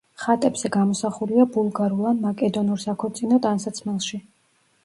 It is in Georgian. ხატებზე გამოსახულია ბულგარულ ან მაკედონურ საქორწინო ტანსაცმელში.